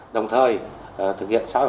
đồng thời thực hiện sáu hệ thống